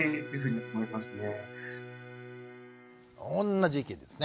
同じ意見ですね。